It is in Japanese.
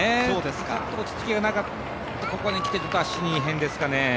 ちょっと落ち着きがなくて、ここにきて、足に異変ですかね。